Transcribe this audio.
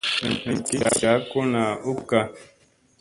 Nam gik saa kulna u bulukka.